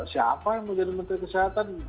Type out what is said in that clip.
siapa yang mau jadi menteri kesehatan